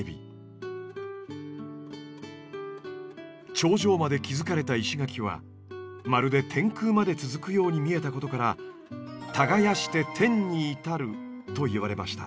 頂上まで築かれた石垣はまるで天空まで続くように見えたことから耕して天に至ると言われました。